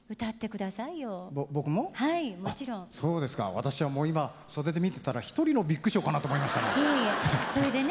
私はもう今袖で見てたら「ひとりのビッグショー」かなと思いましたね。